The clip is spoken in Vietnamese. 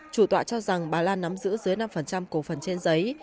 chủ tọa cho rằng bà lan nắm giữ dưới năm cổ phần trên giấy